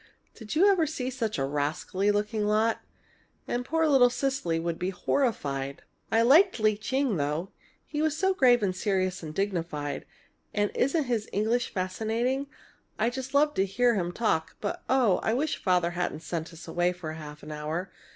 Did you ever see such a rascally looking lot? And poor little Cecily would be horrified!" "I liked Lee Ching, though. He's so grave and serious and dignified. And isn't his English fascinating? I just love to hear him talk. But oh, I wish Father hadn't sent us away for half an hour!